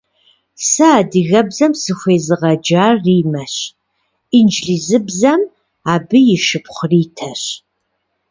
Сэ адыгэбзэм сыхуезыгъэджар Риммэщ, инджылыбзэм - абы и шыпхъу Ритэщ.